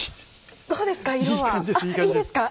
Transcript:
どうですか？